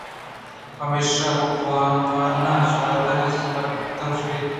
پمیشا بُکّ وَران ءَ شادوے زر ءَ گُبّارت ءُ کُشت